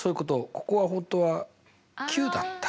ここは本当は９だった。